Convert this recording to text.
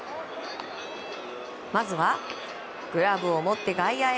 まずは、グラブを持って外野へ。